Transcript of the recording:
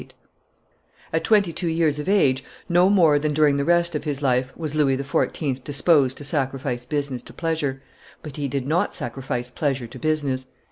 428.] At twenty two years of age, no more than during the rest of his life, was Louis XIV. disposed to sacrifice business to pleasure, but he did not sacrifice pleasure to business.